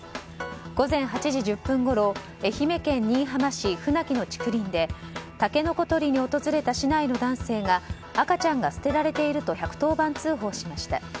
午前８時１０分ごろ愛媛県新居浜市船木の竹林でタケノコとりに訪れた市内の男性が赤ちゃんが捨てられていると１１０番通報しました。